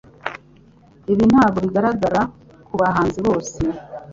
ibi ntabwo bigaragara ku bahanzi bose